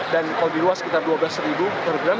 dan kalau di luar sekitar dua belas per gram